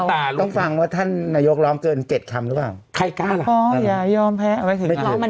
ต้องฟังว่าท่านนโยกร้อบเกิน๗คำหรือเปรหม